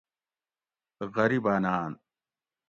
غریباۤناۤن